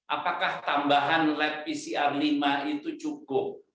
apakah tambahan lab pcr lima itu cukup